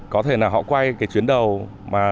có thể là họ quay cái chuyến đầu mà